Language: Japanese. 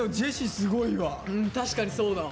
確かにそうだわ。